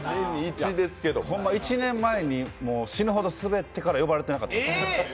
ホンマ、１年前に死ぬほどスベってから呼ばれてなかったんで。